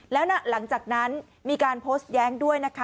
แล้วหลังจากนั้นมีการโพสต์แย้งด้วยนะคะ